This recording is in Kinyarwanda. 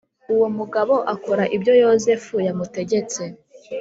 Uwo mugabo akora ibyo Yosefu yamutegetse